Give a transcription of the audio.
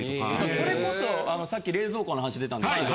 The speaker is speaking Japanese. それこそさっき冷蔵庫の話出たんですけど。